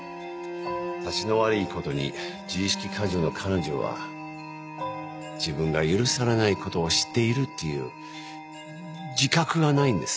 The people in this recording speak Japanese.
たちの悪い事に自意識過剰の彼女は自分が許されない事をしているという自覚がないんです。